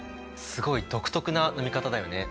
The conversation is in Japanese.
すごい独特な飲み方だよね。